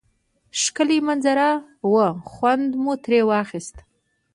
ښکلی منظره وه خوند مو تری واخیست